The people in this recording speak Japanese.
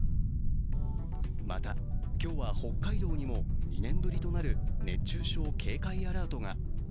また、今日は北海道にも２年ぶりとなる熱中症警戒アラートが。